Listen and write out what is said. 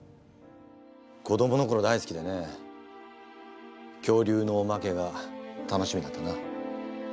子どもの頃大好きでね恐竜のおまけが楽しみだったな。